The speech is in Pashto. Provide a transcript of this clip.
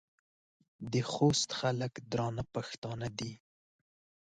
د خوست خلک درانه پښتانه دي.